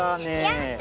やった！